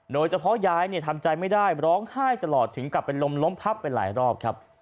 โดยเฉพาะยายทำใจไม่ได้ร้องไห้ตลอดถึงกลับเป็นลมล้มพับไปหลายรอบครับ